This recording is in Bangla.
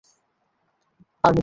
আর মিথ্যা চাই না।